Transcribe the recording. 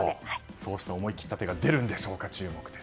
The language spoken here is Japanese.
そうした思い切った手が出るんでしょうか、注目です。